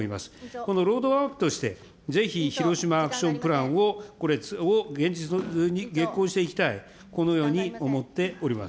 このロードマップとして、ぜひヒロシマ・アクション・プランを、これを現実に実行していきたい、このように思っております。